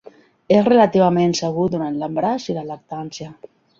És relativament segur durant l'embaràs i la lactància.